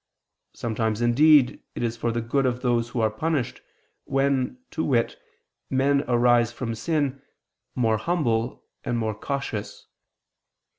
Sometimes indeed it is for the good of those who are punished, when, to wit, men arise from sin, more humble and more cautious.